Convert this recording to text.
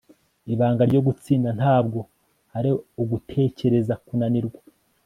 ibanga ryo gutsinda ntabwo ari ugutekereza kunanirwa